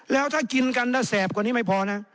แล้วถ้ากินกันถ้าแสบกว่านี้ไม่พอนะ